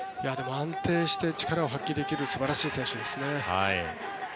安定して力を発揮できる素晴らしい選手ですね。